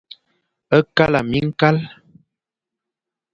Kala miñkal.